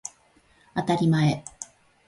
あたりまえ